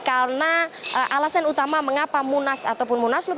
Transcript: karena alasan utama mengapa munas ataupun munaslup